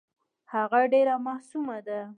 هغه ډېره معصومه ده .